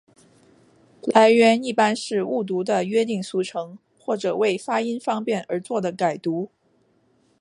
来源一般是误读的约定俗成或者为发音方便而作的改读。